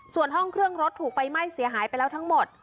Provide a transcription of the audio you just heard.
ส่วนห้องเครื่องรถถูกไฟไหม้เสียหายไปแล้วทั้งหมด